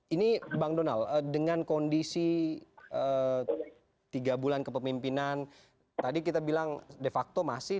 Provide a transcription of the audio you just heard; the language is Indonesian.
ini bang donal dengan kondisi tiga bulan kepemimpinan tadi kita bilang de facto masih